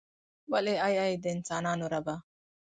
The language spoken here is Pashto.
ولې ای ای د انسانانو ربه.